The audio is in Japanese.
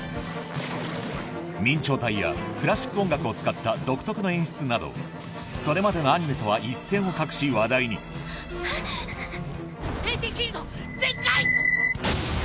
明朝体やクラシック音楽を使った独特の演出などそれまでのアニメとは一線を画し話題にＡＴフィールド全開！